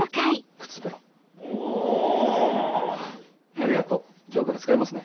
ありがとう今日から使いますね。